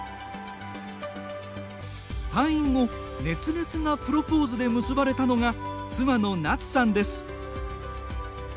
退院後、熱烈なプロポーズで結ばれたのが、妻の奈津さんです。